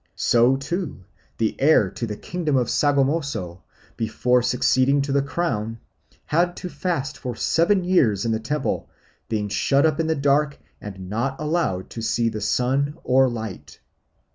So, too, the heir to the kingdom of Sogamoso, before succeeding to the crown, had to fast for seven years in the temple, being shut up in the dark and not allowed to see the sun or light.